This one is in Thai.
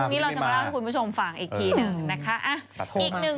พรุ่งนี้เราจะฟังให้คุณผู้ชมฟังอีกทีหนึ่ง